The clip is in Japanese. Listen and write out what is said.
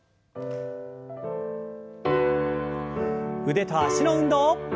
腕と脚の運動。